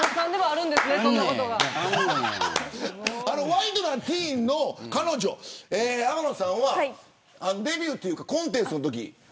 ワイドナティーンの彼女天野さんはデビューというかコンテストのとき。